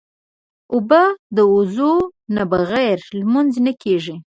اوبه د وضو نه بغیر لمونځ نه کېږي.